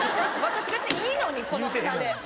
私別にいいのにこの鼻で。